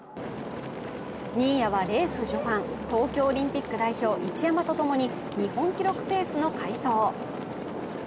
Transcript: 新谷はレース序盤、東京オリンピック代表、一山とともに日本記録ペースの快走。